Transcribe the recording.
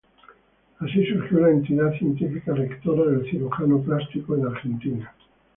Así surgió la entidad científica rectora del cirujano plástico en Argentina.